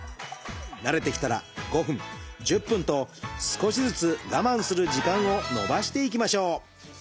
慣れてきたら５分１０分と少しずつ我慢する時間をのばしていきましょう。